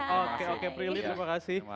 oke prilly terima kasih